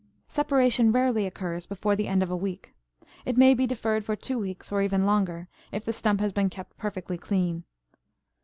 Separation rarely occurs before the end of a week. It may be deferred for two weeks, or even longer, if the stump has been kept perfectly clean.